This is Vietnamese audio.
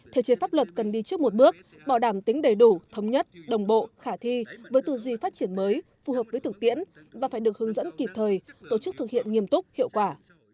thể chế pháp luật cần đi trước một bước bảo đảm tính đầy đủ thống nhất đồng bộ khả thi với tư duy phát triển mới phù hợp với thực tiễn và phải được hướng dẫn kịp thời tổ chức thực hiện nghiêm túc hiệu quả